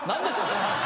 その話。